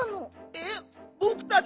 えっぼくたちを？